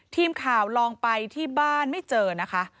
ทีมข่าวลองไปที่บ้านไม่เจอนะคะ